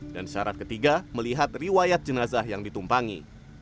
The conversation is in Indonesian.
dan syarat ketiga melihat riwayat jenazah yang ditumpangi